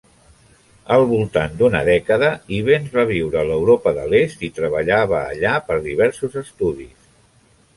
Al voltant d'una dècada Ivens va viure a Europa de l'Est i treballava allà per diversos estudis.